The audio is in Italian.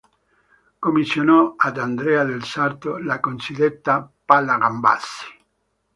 Commissionò ad Andrea del Sarto la cosiddetta "pala Gambassi".